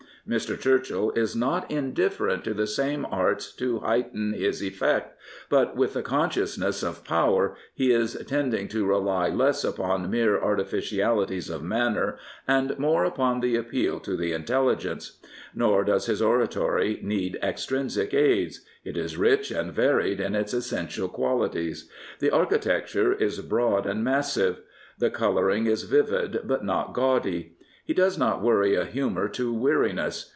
Mr. Churchill is not indifferent to the same arts to heighten his 230 Winston Churchill effect, but with the consciousness of power he is tend ing to rely less upon mere artificialities of manner and more upon the appeal to the intelligence. Nor does his oratory need extrinsic aids. It is rich and varied in its essential qualities. The architecture is broad and massive. The colouring is vivid, but not gaudy. He does not worry a humour to weariness.